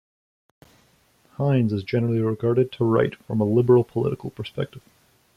Hines is generally regarded to write from a liberal political perspective.